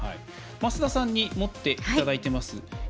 増田さんに持っていただいています。